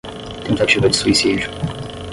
tentativa de suicídio